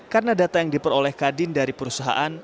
karena data yang diperoleh kadin dari perusahaan